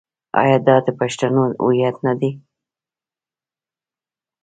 آیا دا د پښتنو هویت نه دی؟